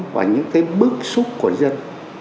và những bước xúc của dân